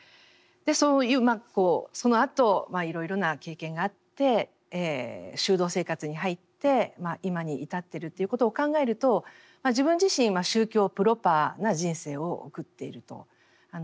そういうそのあといろいろな経験があって修道生活に入って今に至ってるということを考えると自分自身宗教プロパーな人生を送っていると言えると思います。